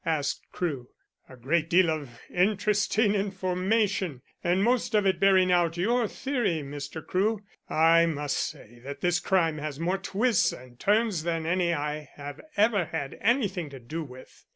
asked Crewe. "A great deal of interesting information and most of it bearing out your theory, Mr. Crewe. I must say that this crime has more twists and turns than any I have ever had anything to do with."